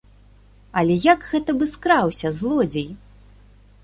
Але як гэта бы скраўся, злодзей?